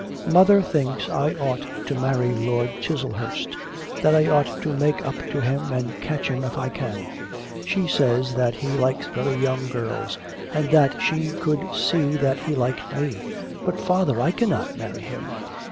Mother thinks I ought to marry Lord Chiselhurst, that I ought to make up to him and catch him if I can. She says that he likes very young girls, and that she could see that he liked me. But, father, I cannot marry him.